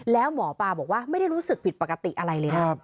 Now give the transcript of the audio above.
แล้วหมอปลาบอกว่าไม่ได้รู้สึกผิดปกติอะไรเลยนะ